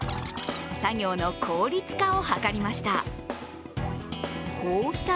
作業の効率化を図りました。